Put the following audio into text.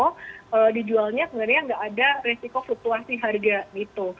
kalau dijualnya sebenarnya tidak ada resiko fluktuasi harga itu